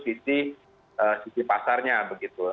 itu sisi pasarnya begitu